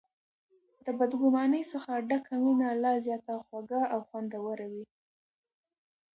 د بد ګمانۍ څخه ډکه مینه لا زیاته خوږه او خوندوره وي.